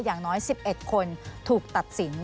อย่างน้อย๑๑คนถูกตัดสิน